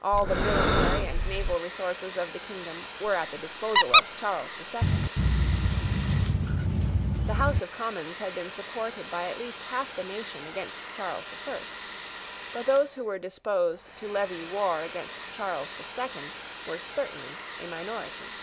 All the military and naval resources of the kingdom were at the disposal of Charles the Second. The House of Commons had been supported by at least half the nation against Charles the First. But those who were disposed to levy war against Charles the Second were certainly a minority.